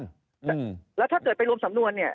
ถูกต้องครับแล้วถ้าเกิดไปรวมสำนวนนี้